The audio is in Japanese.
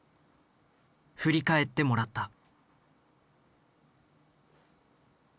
振り返ってもらった。